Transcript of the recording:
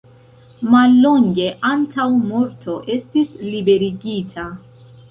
Mallonge antaŭ morto estis liberigita.